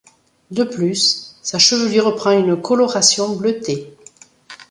De plus, sa chevelure prend une coloration bleutée.